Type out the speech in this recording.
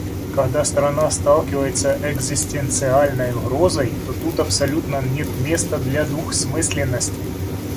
Когда страна сталкивается с экзистенциальной угрозой, то тут абсолютно нет места для двусмысленности.